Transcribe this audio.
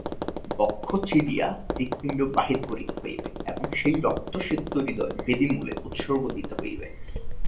বক্ষ চিরিয়া হৃৎপিণ্ড বাহির করিতে হইবে এবং সেই রক্তসিক্ত হৃদয় বেদীমূলে উৎসর্গ দিতে হইবে।